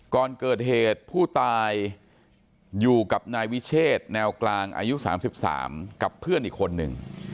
ก่อนเกิดเหตุผู้ตายอยู่กับนายวิเชษแนวกลางอายุ๓๓กับเพื่อนอีกคนนึง